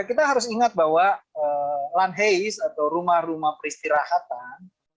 kita harus ingat bahwa lanheis atau rumah rumah peristirahatan